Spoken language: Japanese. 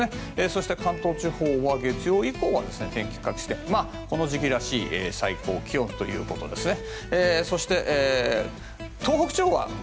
そして、関東地方は月曜以降は天気、各地でこの時期らしい最高気温ということですね。